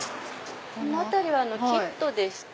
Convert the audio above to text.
その辺りはキットでして。